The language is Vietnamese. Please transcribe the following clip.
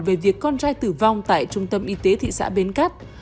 về việc con trai tử vong tại trung tâm y tế thị xã bến cát